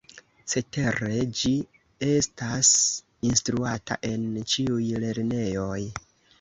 Cetere, ĝi estas instruata en ĉiuj lernejoj.